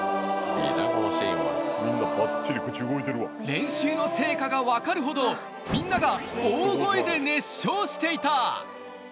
練習の成果が分かるほど、みんなが大声で熱唱していた。